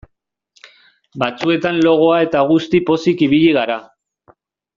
Batzuetan logoa eta guzti pozik ibili gara.